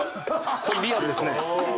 これリアルですね。